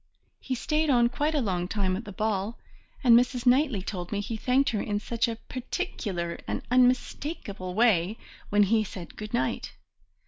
He stayed on quite a long time at the ball, and Mrs. Knightley told me he thanked her in such a particular and unmistakable way when he said good night!